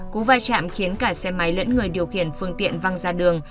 cú vai chạm khiến cả xe máy lẫn người điều khiển phương tiện văng ra đường